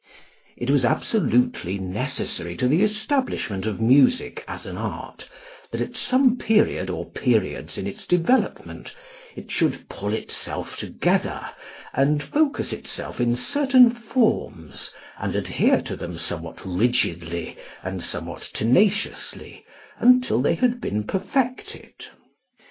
It was absolutely necessary to the establishment of music as an art that at some period or periods in its development it should "pull itself together" and focus itself in certain forms, and adhere to them somewhat rigidly and somewhat tenaciously until they had been perfected.